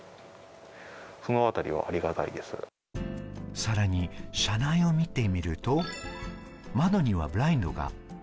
さらに社内を見てみると、窓にはブラインドが。